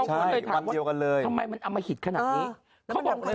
เขาก็เลยถามว่าทำไมมันอำมหิตขนาดนี้ใช่วันเดียวกันเลย